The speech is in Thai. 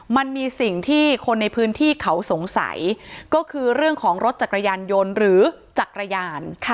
มันมีสิ่งที่คนในพื้นที่เขาสงสัยก็คือเรื่องของรถจักรยานยนต์หรือจักรยาน